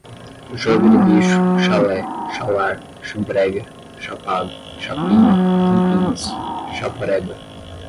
jogo do bicho, chalé, chalar, chambrega, chapado, chapinha, tampinhas, chaporeba